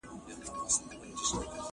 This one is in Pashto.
موزي په بد راضي.